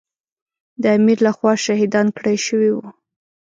د امیر له خوا شهیدان کړای شوي وو.